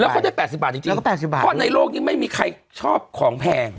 แล้วก็ได้แปดสิบบาทจริงจริงแล้วก็แปดสิบบาทพอในโลกยังไม่มีใครชอบของแพง